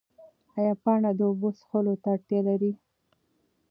ایا پاڼه د اوبو څښلو ته اړتیا لري؟